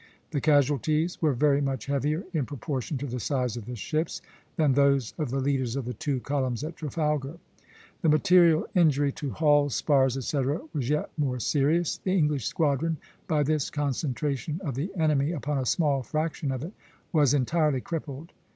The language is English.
The casualties were very much heavier, in proportion to the size of the ships, than those of the leaders of the two columns at Trafalgar. The material injury to hulls, spars, etc., was yet more serious. The English squadron, by this concentration of the enemy upon a small fraction of it, was entirely crippled.